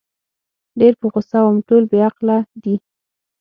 ډېر په غوسه وم، ټول بې عقله دي.